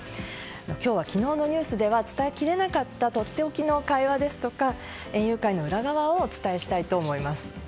今日は昨日のニュースでは伝えきれなかったとっておきの会話ですとか園遊会の裏側をお伝えしたいと思います。